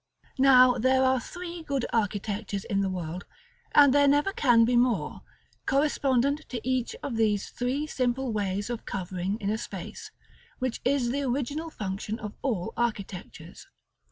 § LXXXVIII. Now there are three good architectures in the world, and there never can be more, correspondent to each of these three simple ways of covering in a space, which is the original function of all architectures.